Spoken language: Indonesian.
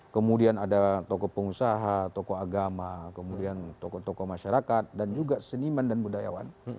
kemudian ada tokoh pengusaha tokoh agama kemudian tokoh tokoh masyarakat dan juga seniman dan budayawan